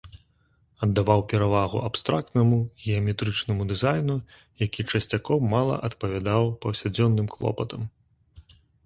Аддаваў перавагу абстрактнаму, геаметрычнаму дызайну, які часцяком мала адпавядаў паўсядзённым клопатам.